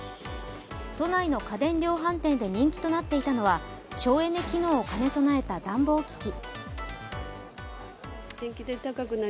都内の家電量販店で人気となっていたのは省エネ機能を兼ね備えた暖房機器。